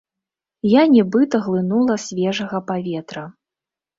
Я нібыта глынула свежага паветра.